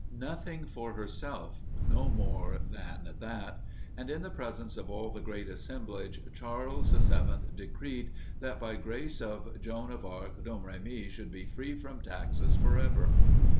Nothing for herself no more than that; and in the presence of all the great assemblage Charles VII decreed that by grace of Joan of Arc, Domremy should be free from taxes forever.